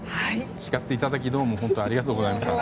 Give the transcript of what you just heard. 叱っていただきどうもありがとうございました。